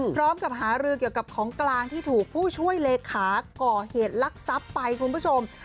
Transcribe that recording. พร้อมกับหารือเกี่ยวกับของกลางที่ถูกผู้ช่วยเลขาก่อเหตุลักษัพไปคุณผู้ชม